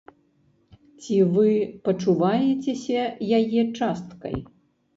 Ці вы пачуваецеся яе часткай?